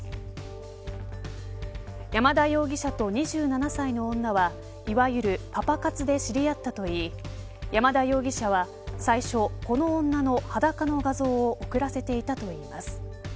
山田容疑者と２７歳の女はいわゆるパパ活で知り合ったといい山田容疑者は最初この女の裸の画像を送らせていたといいます。